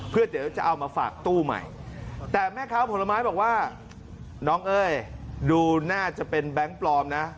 เพื่อเดี๋ยวจะเอามาฝากตู้ใหม่แต่แม่ค้าผลไม้บอกว่าน้องเอ้ยดูน่าจะเป็นแบงค์ปลอมนะ